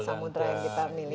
samudera yang kita miliki